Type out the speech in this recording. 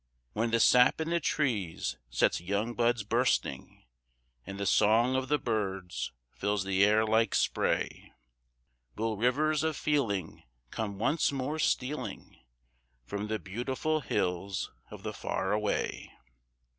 When the sap in the trees sets young buds bursting, And the song of the birds fills the air like spray, Will rivers of feeling come once more stealing From the beautiful hills of the far away?